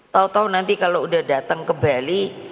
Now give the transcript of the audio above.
tahu tahu nanti kalau udah datang ke bali